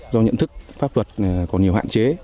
do nhận thức pháp luật có nhiều hạn chế